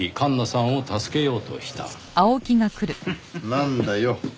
なんだよ？